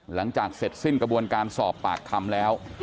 หลังจากเสร็จสิ้นกระบวนการสอบปากคำแล้ว